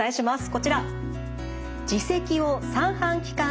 こちら。